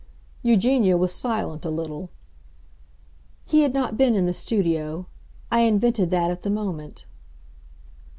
Eugenia was silent a little. "He had not been in the studio. I invented that at the moment."